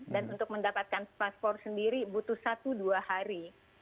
dan untuk mendapatkan paspor sendiri butuh satu dua hari